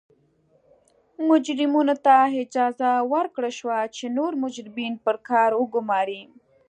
مجرمینو ته اجازه ورکړل شوه چې نور مجرمین پر کار وګوماري.